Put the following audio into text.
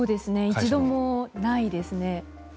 一度もないですね。